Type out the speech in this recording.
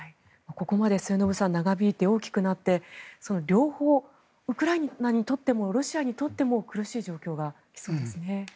ここまで、末延さん長引いて、大きくなって両方、ウクライナにとってもロシアにとっても苦しい状況ですね。